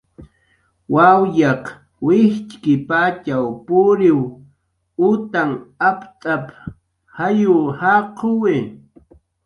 "Wawyaq wijtxkipatxaw puriw utan aptz'ap"" jayw jaquwi"